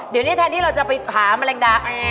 เดี๋ยวนี้แทนที่เราจะไปหาแมลงดาแอร์